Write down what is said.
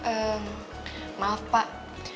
eh maaf pak